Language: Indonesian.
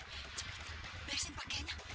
cepat beresin pakaiannya